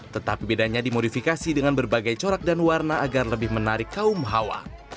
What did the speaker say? tetapi bedanya dimodifikasi dengan berbagai corak dan warna agar lebih menarik kaum hawa